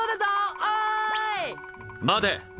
待て！